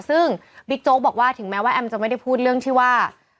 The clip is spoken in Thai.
ซึ่งบิ๊กโจ๊กบอกว่าถึงแม้ว่าแอมจะไม่ได้พูดเรื่องที่ว่า